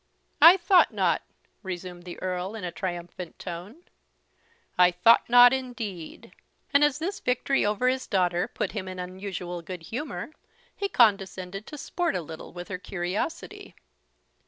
"I thought not," resumed the Earl in a triumphant tone "I thought not, indeed." And as this victory over his daughter put him in unusual good humour, he condescended to sport a little with her curiosity.